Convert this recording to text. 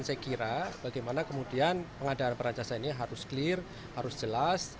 dan saya kira bagaimana kemudian pengadaan peran jasa ini harus clear harus jelas